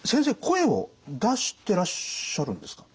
声を出してらっしゃるんですか？